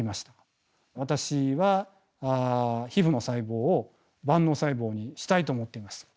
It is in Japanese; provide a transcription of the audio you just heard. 私は皮ふの細胞を万能細胞にしたいと思っています。